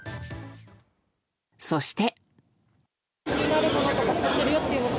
そして。